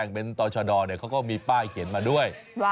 จะเป็นตัวจรรย์เนี่ยเขาก็มีป้ายเขียนมาด้วย